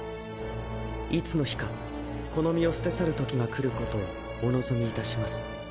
いつの日かこの身を捨て去る時が来ることをお望み致します。